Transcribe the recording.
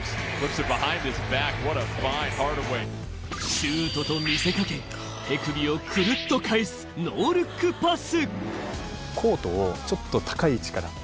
シュートと見せかけ、手首をくるっと返す、ノールックパス。